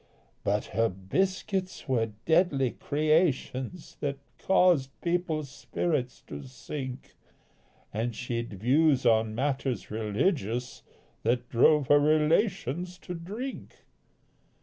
But her biscuits were deadly creations That caused people's spirits to sink, And she'd views on matters religious That drove her relations to drink.